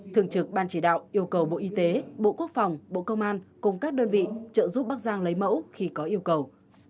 thường trực ban chỉ đạo yêu cầu bộ y tế bộ quốc phòng bộ công an cùng các đơn vị trợ giúp bắc giang lấy mẫu khi có yêu cầu